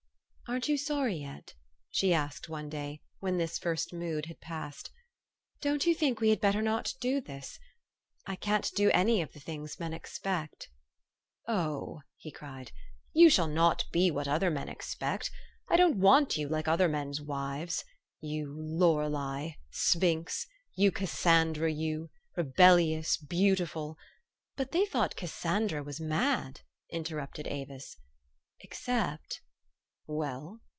"Aren't you sorry yet? "she asked one day, when this first mood had passed. u Don't you think we had better not do this ? I can't do any of the tilings men expect." 204 THE STORY OF AVIS. " Oh !" he cried, " you shall not be what other men expect. I don't want you like other men's wives. You Lorelei ! sphinx ! you Cassandra, you ! rebel lious beautiful '' 44 But they thought Cassandra was mad," inter rupted Avis. " Except " "Well?"